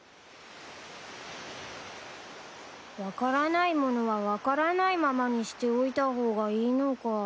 分からないものは分からないままにしておいた方がいいのか。